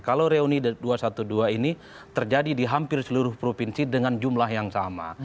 kalau reuni dua ratus dua belas ini terjadi di hampir seluruh provinsi dengan jumlah yang sama